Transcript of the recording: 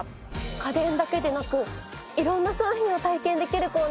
家電だけでなく色んな商品を体験できるコーナーがありますね。